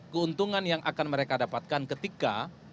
keuntungan yang akan mereka dapatkan ketika